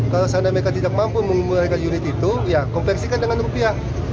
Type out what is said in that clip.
kalau seandainya mereka tidak mampu mengumpulkan unit itu ya konversikan dengan rupiah